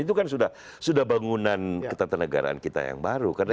itu kan sudah bangunan ketatanegaraan kita yang baru